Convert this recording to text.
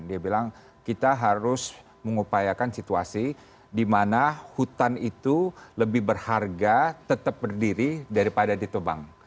dia bilang kita harus mengupayakan situasi di mana hutan itu lebih berharga tetap berdiri daripada ditobang